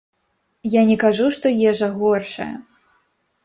Я не кажу, што ежа горшая.